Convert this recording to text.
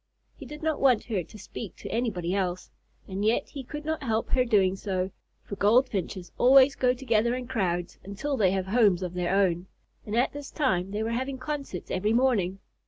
He did not want her to speak to anybody else, and yet he could not help her doing so, for Goldfinches always go together in crowds until they have homes of their own, and at this time they were having concerts every morning.